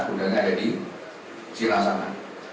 kudangnya ada di cina sana